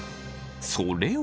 それは。